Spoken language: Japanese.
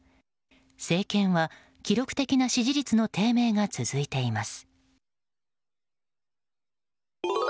政権は記録的な支持率の低迷が続いています。